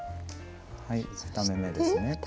はい２目めですね